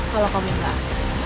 kalau kamu enggak